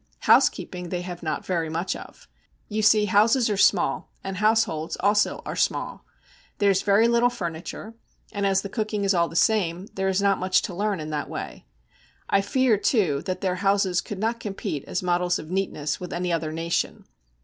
Housekeeping they have not very much of. You see, houses are small, and households also are small; there is very little furniture; and as the cooking is all the same, there is not much to learn in that way. I fear, too, that their houses could not compete as models of neatness with any other nation.